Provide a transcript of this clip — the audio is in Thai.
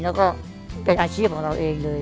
แล้วก็เป็นอาชีพของเราเองเลย